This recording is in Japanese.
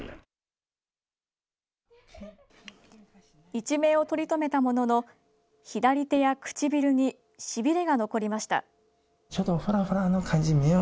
一命を取り留めたものの左手や唇にしびれが残りました。